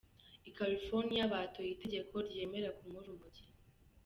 I California batoye itegeko ryemera kunywa urumogi.